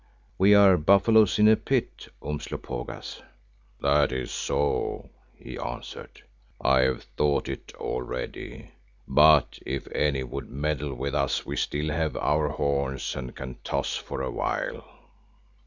We are buffaloes in a pit, Umslopogaas." "That is so," he answered, "I have thought it already. But if any would meddle with us we still have our horns and can toss for a while."